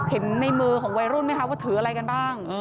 เห็นในมือของวัยรุ่นไหมคะว่าถืออะไรกันบ้าง